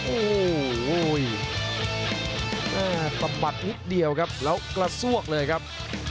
โอ้โหสะบัดนิดเดียวครับแล้วกระซวกเลยครับ